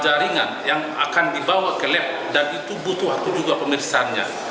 jaringan yang akan dibawa ke lab dan itu butuh waktu juga pemeriksaannya